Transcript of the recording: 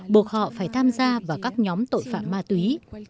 buộc họ phải tham gia vào các nhóm tội phạm ma túy